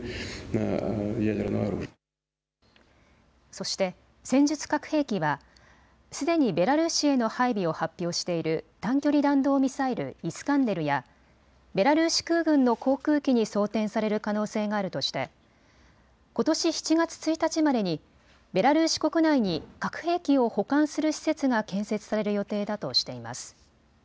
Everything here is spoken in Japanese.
そして戦術核兵器はすでにベラルーシへの配備を発表している短距離弾道ミサイルイスカンデルやベラルーシ空軍の航空機に装填される可能性があるとしてことし７月１日までにベラルーシ国内に核兵器を保管する施設が建設される予定だとしています。